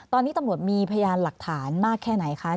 ตอนนี้ตำรวจมีพยานหลักฐานมากแค่ไหนคะ